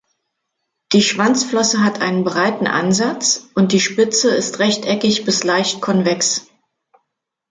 Die Schwanzflosse hat einen breiten Ansatz, und die Spitze ist rechteckig bis leicht konvex.